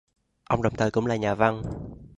Ông đồng thời cũng là nhà văn